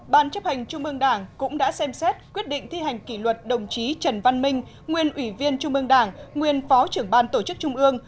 ban chấp hành trung ương đảng cũng đã xem xét quyết định thi hành kỷ luật đồng chí trần văn minh nguyên ủy viên trung ương đảng nguyên phó trưởng ban tổ chức trung ương